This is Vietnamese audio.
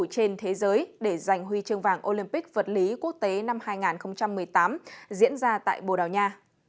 trên thế giới để giành huy chương vàng olympic vật lý quốc tế năm hai nghìn một mươi tám diễn ra tại bồ đào nha